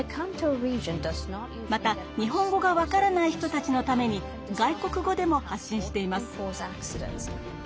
また日本語が分からない人たちのために外国語でも発信しています。